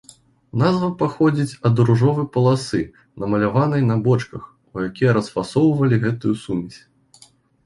Назва паходзіць ад ружовы паласы, намаляванай на бочках, у якія расфасоўвалі гэтую сумесь.